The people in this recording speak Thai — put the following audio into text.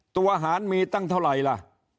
ตัวหารมีตั้งเท่าไหร่ละ๓๑๔๓๑๕